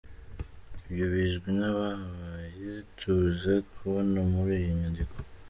Ibyo bizwi n’abahabaye tuza kubona muri iyi nyandiko.